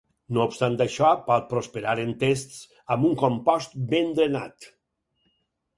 No obstant això, pot prosperar en tests, amb un compost ben drenat.